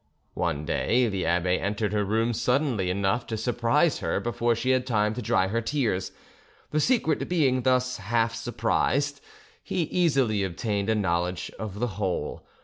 One day the abbe entered her room suddenly enough to surprise her before she had time to dry her tears; the secret being thus half surprised, he easily obtained a knowledge of the whole.